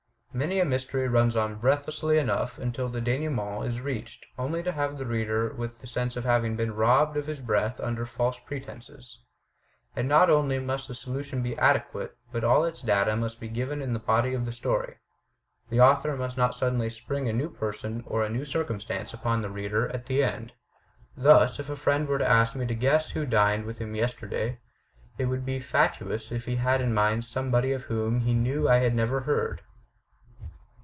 Many a mystery nms on breathlessly enough till the denouement is reached, only to leave the reader with the sense of having been robbed of his breath under false pretenses. And not only must the solution be adequate, but all its data must be given in the body of the story. The author must not suddenly spring a new person or a new circumstance upon the reader at the end. Thus, if a friend were to ask me to guess who dined with him yesterday, it would be fatuous if he had in mind somebody of whom he knew I had never heard."